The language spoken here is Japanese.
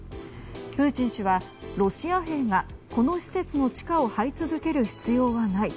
プーチン氏はロシア兵がこの施設の地下をはい続ける必要はない。